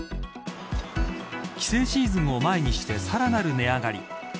帰省シーズンを前にしてさらなる値上がり。